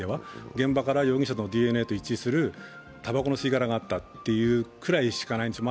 現場から容疑者のＤＮＡと一致するたばこの吸い殻があったというくらいしかないんですよ。